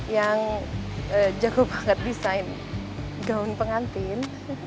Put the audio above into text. yang jago banget desain gaun pengantin